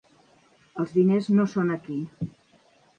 Els diners no són aquí.